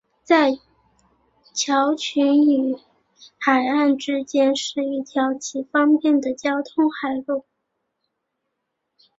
在礁群与海岸之间是一条极方便的交通海路。